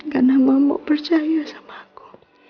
karena mama mau percaya sama aku